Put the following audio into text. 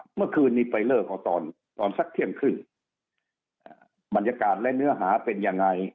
เมื่อคืนนี้ไปเลิกเอาตอนตอนสักเที่ยงครึ่งบรรยากาศและเนื้อหาเป็นยังไง